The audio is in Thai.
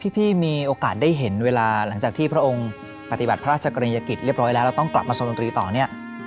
พี่มีโอกาสได้เห็นเวลาหลังจากที่พระองค์ปฏิบัติพระราชกรณียกิจเรียบร้อยแล้วเราต้องกลับมาทรงดนตรีต่อเนี่ย